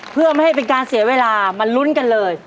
เพื่อไม่ให้เป็นการเสียเวลามาลุ้นกันเลย